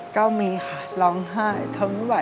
ก็มีค่ะ